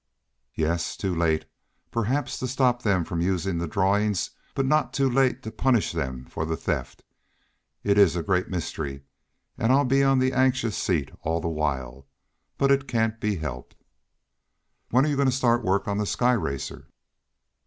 "Yes, too late, perhaps, to stop them from using the drawings, but not too late to punish them for the theft. It's a great mystery, and I'll be on the anxious seat all the while. But it can't be helped." "When are you going to start work on the sky racer?"